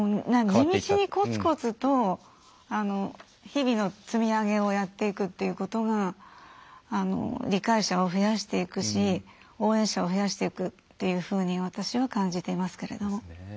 地道にこつこつと日々の積み上げをやっていくっていうことが理解者を増やしていくし応援者を増やしていくっていうふうに私は感じていますけれど。